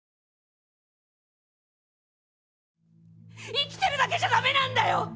生きてるだけじゃダメなんだよ！